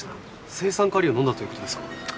青酸カリを飲んだということですか？